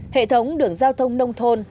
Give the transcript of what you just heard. hệ thống đường giao thông nông thôn